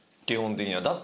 基本的には。